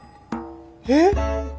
えっ？